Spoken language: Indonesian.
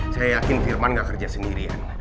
saya yakin firman gak kerja sendirian